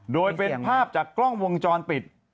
โดยเป็นภาพจากกล้องวงจรปิด